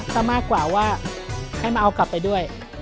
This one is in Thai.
ซะมากกว่าว่าให้มาเอากลับไปด้วย